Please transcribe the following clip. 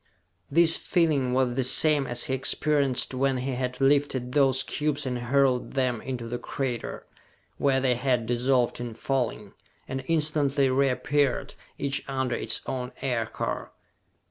This feeling was the same as he experienced when he had lifted those cubes and hurled them into the crater where they had dissolved in falling, and instantly reappeared, each under its own aircar!